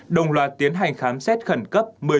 đồng loạt tiến hành khám xét khẩn cấp